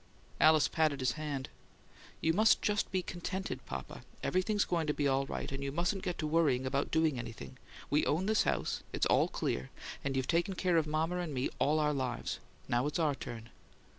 Alice patted his hand. "You must just be contented, papa. Everything's going to be all right, and you mustn't get to worrying about doing anything. We own this house; it's all clear and you've taken care of mama and me all our lives; now it's our turn."